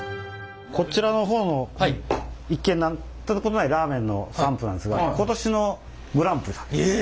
こちらの方の一見なんてことのないラーメンのサンプルなんですが今年のグランプリ。